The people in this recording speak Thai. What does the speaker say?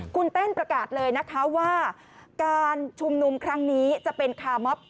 คุณเต้นประกาศเลยนะคะว่าการชุมนุมครั้งนี้จะเป็นคาร์มอบ